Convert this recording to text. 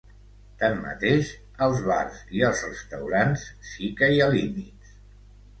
Tanmateix, als bars i als restaurants sí que hi ha límits.